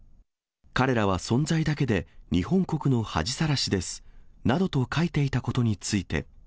彼らは存在だけで日本国の恥さらしですなどと書いていたことについて。